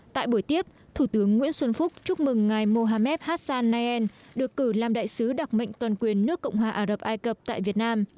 tại buổi tiếp thủ tướng nguyễn xuân phúc chúc mừng ngài mohamed hassan nayen được cử làm đại sứ đặc mệnh toàn quyền nước cộng hòa ả rập ai cập tại việt nam